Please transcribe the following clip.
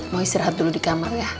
mau istirahat dulu di kamar ya